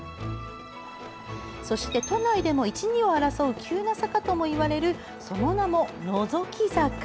そして、都内でも１、２を争う急な坂ともいわれるその名も、のぞき坂。